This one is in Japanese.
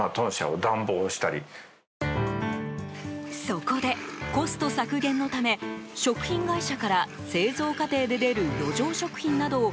そこで、コスト削減のため食品会社から製造過程で出る余剰食品などを